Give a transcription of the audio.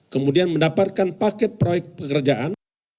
kemudian mendapatkan paket proyek pekerjaan